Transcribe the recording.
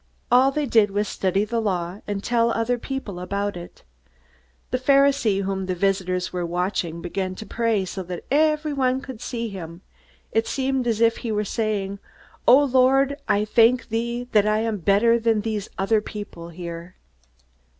All they did was study the Law and tell other people about it. The Pharisee whom the visitors were watching began to pray so that everyone could see him. It seemed as if he were saying, "O Lord, I thank thee that I am better than these other people here!"